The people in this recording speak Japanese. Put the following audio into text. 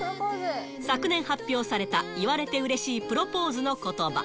昨年発表された、言われてうれしいプロポーズのことば。